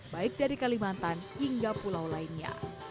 baik dari kalimantan hingga pulau lainnya